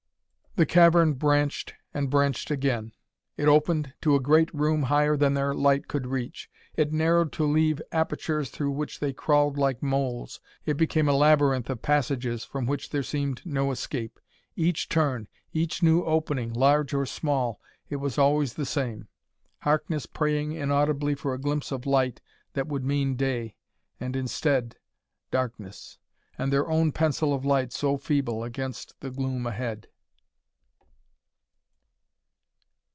The cavern branched and branched again; it opened to a great room higher than their light could reach; it narrowed to leave apertures through which they crawled like moles; it became a labyrinth of passages from which there seemed no escape. Each turn, each new opening, large or small it was always the same: Harkness praying inaudibly for a glimpse of light that would mean day; and, instead darkness! and their own pencil of light so feeble against the gloom ahead....